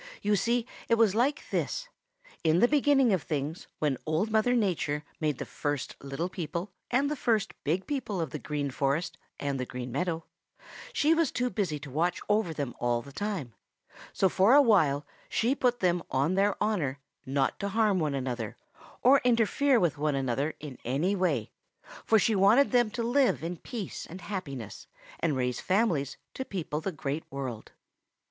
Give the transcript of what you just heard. "You see, it was like this: In the beginning of things, when Old Mother Nature made the first little people and the first big people of the Green Forest and the Green Meadows, she was too busy to watch over them all the time, so for a while she put them on their honor not to harm one another or interfere with one another in any way, for she wanted them to live in peace and happiness and raise families to people the Great World.